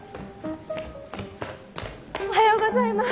おはようございます。